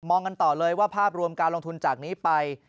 กันต่อเลยว่าภาพรวมการลงทุนจากนี้ไป